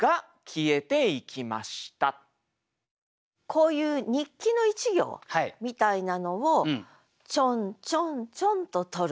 こういう日記の１行みたいなのをちょんちょんちょんと取ると。